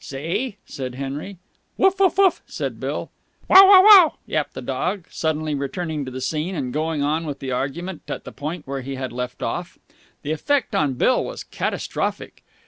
"See!" said Henry. "Woof woof woof!" said Bill. "Wow Wow Wow!" yapped the dog, suddenly returning to the scene and going on with the argument at the point where he had left off. The effect on Bill was catastrophic.